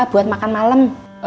buat makan malam